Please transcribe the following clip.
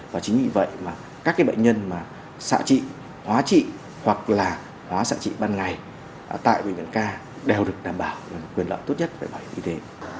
và chính vì vậy các bệnh nhân xạ trị hóa trị hoặc là hóa xạ trị ban ngày tại bệnh viện ca đều được đảm bảo quyền lợi tốt nhất về bệnh viện y tế